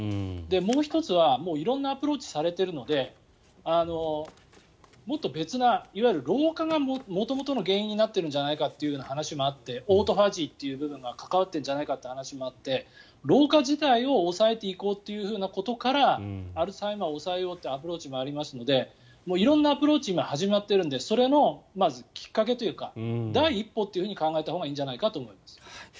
もう１つは、色んなアプローチがされているのでもっと別な、いわゆる老化が元々の原因になってるんじゃないかという話もあってオートファジーという部分が関わっているんじゃないかという話もあって老化自体を抑えていこうということからアルツハイマー病を抑えようというアプローチもありますので色んなアプローチが今、始まっているのでそれのまず、きっかけというか第一歩というふうに考えたほうがいいんじゃないかと思います。